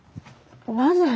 なぜ？